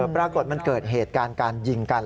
ปรากฏมันเกิดเหตุการณ์การยิงกัน